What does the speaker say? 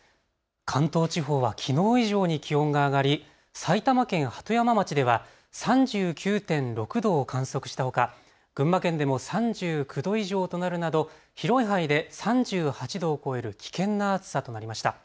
関東地方はきのう以上に気温が上がり埼玉県鳩山町では３９．６度を観測したほか群馬県でも３９度以上となるなど広い範囲で３８度を超える危険な暑さとなりました。